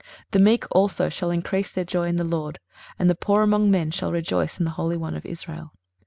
23:029:019 The meek also shall increase their joy in the LORD, and the poor among men shall rejoice in the Holy One of Israel.